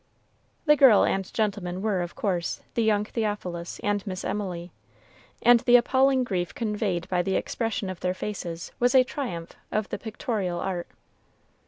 The girl and gentleman were, of course, the young Theophilus and Miss Emily, and the appalling grief conveyed by the expression of their faces was a triumph of the pictorial art.